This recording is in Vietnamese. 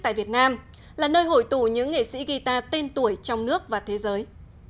tại việt nam là nơi hội tụ những nghệ sĩ guitar tên tuổi trong nước và thế giới